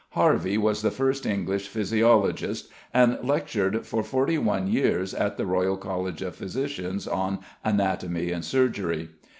Harvey was the first English physiologist, and lectured for forty one years at the Royal College of Physicians on anatomy and surgery.